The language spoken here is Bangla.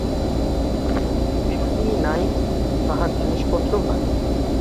বিনোদিনী নাই, তাহার জিনিসপত্রও নাই।